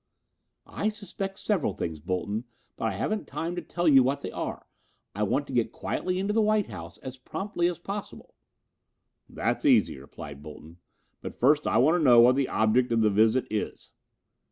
"I suspect several things, Bolton, but I haven't time to tell you what they are. I want to get quietly into the White House as promptly as possible." "That's easy," replied Bolton, "but first I want to know what the object of the visit is."